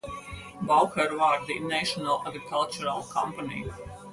Bauherr war die National Agricultural Company.